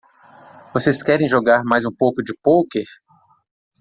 Vocês querem jogar mais um pouco de pôquer?